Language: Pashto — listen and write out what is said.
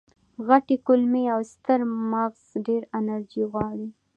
غټې کولمې او ستر ماغز ډېره انرژي غواړي.